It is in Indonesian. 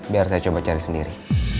biar saya coba cari sendiri